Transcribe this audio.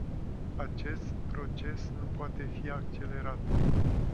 Acest proces nu poate fi accelerat.